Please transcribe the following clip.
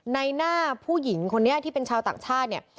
ในหน้าผู้หญิงคนนี้ที่เป็นชาวต่างชาติเนี่ย